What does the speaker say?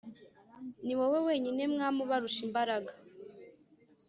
Ni wowe wenyine mwami ubarusha imbaraga